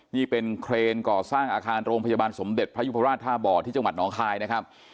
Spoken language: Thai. นี่เป็นเครนก่อสร้างอาคารโรงพยาบาลสมเด็จพระยุพราชท่าบ่อที่จังหวัดหนองคายนะครับ